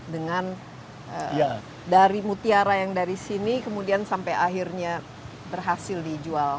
dengan dari mutiara yang dari sini kemudian sampai akhirnya berhasil dijual